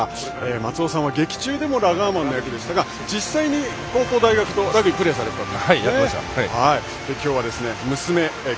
松尾さんは劇中でもラガーマンの役でしたが実際に高校、大学とラグビーをプレーされていたと。